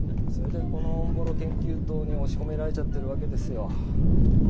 それでこのオンボロ研究棟に押し込められちゃってるわけですよ。